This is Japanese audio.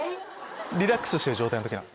リラックスしてる状態の時なの？